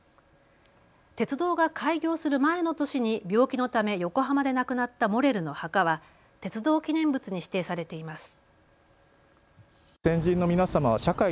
鉄道が開業する前の年に病気のため横浜で亡くなったモレルの墓は鉄道記念物に指定されています。